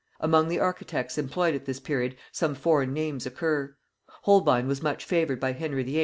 Among the architects employed at this period some foreign names occur. Holbein was much favoured by Henry VIII.